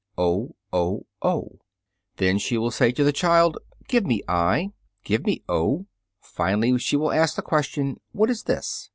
o, o, o!" Then she will say to the child: "Give me i!" "Give me o!" Finally, she will ask the question: "What is this?"